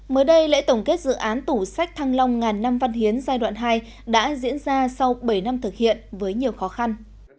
mới đây lễ tổng kết dự án tủ sách thăng long ngàn năm văn hiến giai đoạn hai đã diễn ra sau bảy năm thực hiện với nhiều khó khăn